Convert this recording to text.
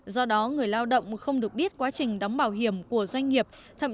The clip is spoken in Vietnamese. do đó người lao động không được biết quá trình đóng bảo hiểm của doanh nghiệp